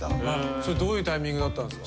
それどういうタイミングだったんですか？